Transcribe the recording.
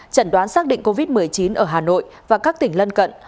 chẩn đoán xác định covid một mươi chín ở hà nội và các tỉnh lân cận